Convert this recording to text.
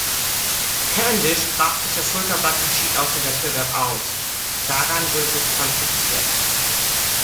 Cavendish brach sich das Schulterblatt und schied aus dem Wettbewerb aus; Sagan wurde disqualifiziert.